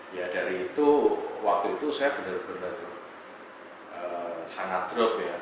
ya dari itu waktu itu saya benar benar sangat drop ya